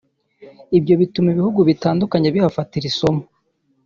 Ibyo bituma ibihugu bitandukanye bihafatira isomo